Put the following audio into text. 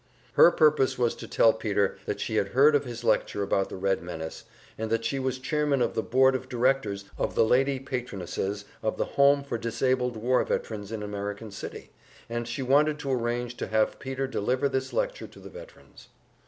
Her purpose was to tell Peter that she had heard of his lecture about the Red menace, and that she was chairman of the Board of Directors of the Lady Patronesses of the Home for Disabled War Veterans in American City, and she wanted to arrange to have Peter deliver this lecture to the veterans.